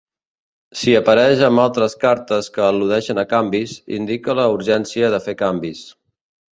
Si apareix amb altres cartes que al·ludeixen a canvis, indica la urgència de fer canvis.